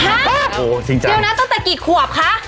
ตั้งแต่กี่ขวบคะ